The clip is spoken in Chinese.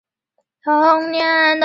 克隆泰尔湖是瑞士最老的水库。